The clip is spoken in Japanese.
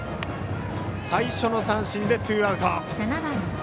最初の三振でツーアウト。